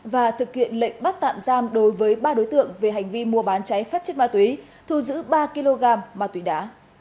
và thực hiện lệnh bắt tạm giam đối với ba đối tượng về hành vi mua bán cháy phép chất ma túy thu giữ ba kg ma túy đá